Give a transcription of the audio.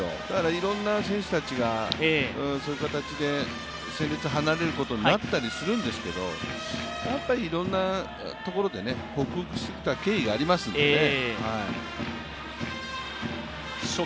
いろんな選手たちがそういう形で戦列を離れることになったりするんですけど、いろんなところで克服してきた経緯がありますんでね。